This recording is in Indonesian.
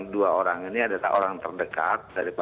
dua orang ini adalah orang terdekat